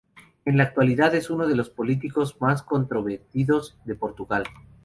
En la actualidad es uno de los políticos más controvertidos de Portugal.